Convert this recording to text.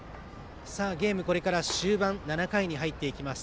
ゲーム、これから終盤７回に入っていきます。